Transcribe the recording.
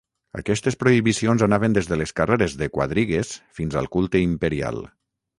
Aquestes prohibicions anaven des de les carreres de quadrigues fins al culte imperial.